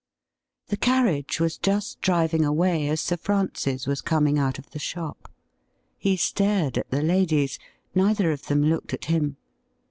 The carriage was just driving away as Sir Francis was coming out of the shop. He stared at the ladies ; neither of them looked at him.